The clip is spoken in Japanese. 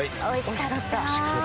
おいしかった。